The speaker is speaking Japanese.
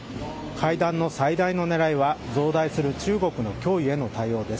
会談の最大の狙いは増大する中国の脅威への対応です。